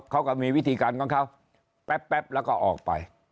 เขาก็มีวิธีการของเขาแป๊บแล้วก็ออกไป